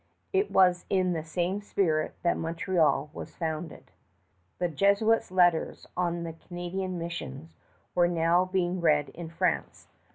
It was in the same spirit that Montreal was founded. The Jesuits' letters on the Canadian missions were now being read in France.